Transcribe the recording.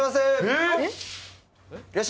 えっ？